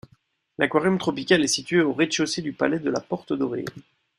L'aquarium tropical est situé au rez-de-chaussée du palais de la Porte-Dorée.